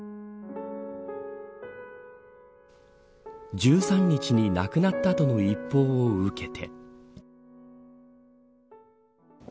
１３日に亡くなったとの一報を受けて。